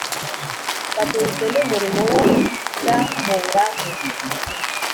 Batunzwe n’umurimo wogahoraho